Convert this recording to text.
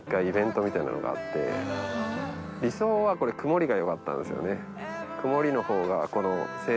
理想はこれ曇りがよかったんですよね。